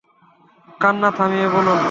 কান্না থামিয়ে বলুন।